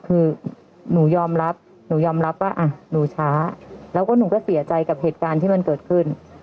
คือหนูยอมรับหนูยอมรับว่าหนูช้าแล้วก็หนูก็เสียใจกับเหตุการณ์ที่มันเกิดขึ้น